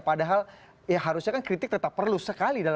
padahal ya harusnya kan kritik tetap perlu sekali